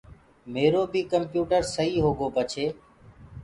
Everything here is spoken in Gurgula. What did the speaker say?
ميرو بي ڪمپِيوٽر سئيٚ هوگو پڇي